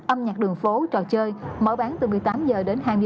âm nhạc đường phố trò chơi mở bán từ một mươi tám h đến hai mươi h